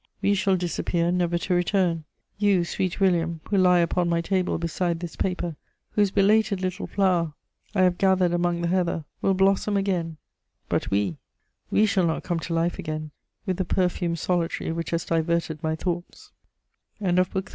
We shall disappear never to return; you, sweet William, who lie upon my table beside this paper, whose belated little flower I have gathered among the heather will blossom again; but we, we shall not come to life again with the perfumed solitary which has diverted my tho